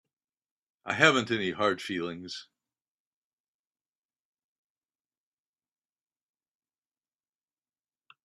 I haven't any hard feelings.